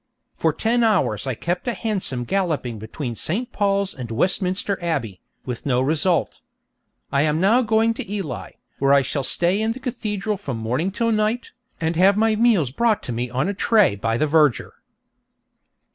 For ten hours I kept a hansom galloping between St. Paul's and Westminster Abbey, with no result. I am now going to Ely, where I shall stay in the cathedral from morning till night, and have my meals brought to me on a tray by the verger.